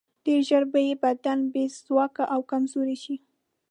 ډېر ژر به یې بدن بې ځواکه او کمزوری شي.